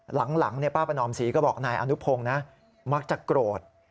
หลังป้าประนอมศรีก็บอกนายอนุพงศ์นะมักจะโกรธ